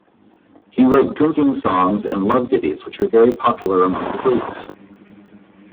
He wrote drinking songs and love ditties which are very popular among the Greeks.